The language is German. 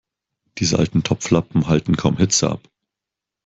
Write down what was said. Diese alten Topflappen halten kaum Hitze ab.